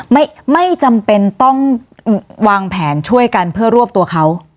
ไม่ไม่จำเป็นต้องวางแผนช่วยกันเพื่อรวบตัวเขา